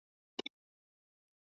asilimia mbili nchini Rwanda tatu